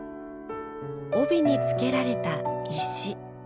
帯につけられた石。